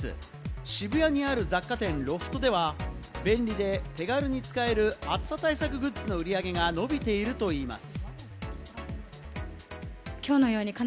渋谷にある雑貨店・ロフトでは、便利で手軽に使える暑さ対策グッズの売り上げが伸びているといいます。